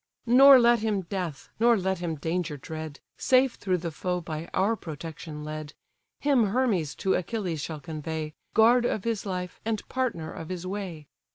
Nor let him death, nor let him danger dread, Safe through the foe by our protection led: Him Hermes to Achilles shall convey, Guard of his life, and partner of his way.